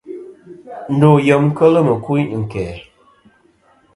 Ndo yem kel mɨkuyn ɨ̀nkæ̀.